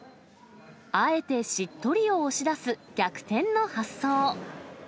あえてしっとりを押し出す逆転の発想。